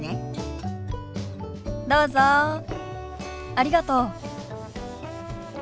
ありがとう。